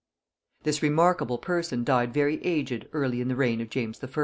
"] This remarkable person died very aged early in the reign of James I.